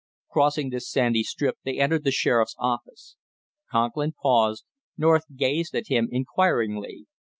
Crossing this sandy strip they entered the sheriff's office. Conklin paused; North gazed at him inquiringly.